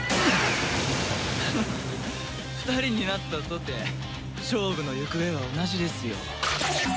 フッ２人になったとて勝負の行方は同じですよ。